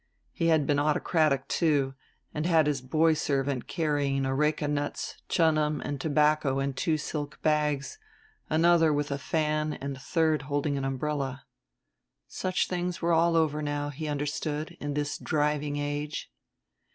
He had been autocratic, too; and had his boy servant carrying areca nuts, chunam and tobacco in two silk bags, another with a fan and a third holding an umbrella. Such things were all over now, he understood, in this driving age.